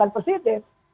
jadi kewenangan presiden